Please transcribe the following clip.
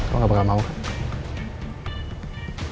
lo gak bakal mau kan